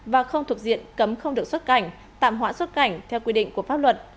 và không thuộc diện cấm không được xuất cảnh tạm hoãn xuất cảnh theo quy định của pháp luật